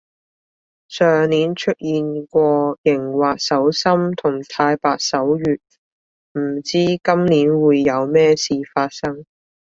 上年出現過熒惑守心同太白守月，唔知今年會有咩事發生